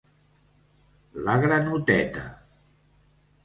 La granoteta...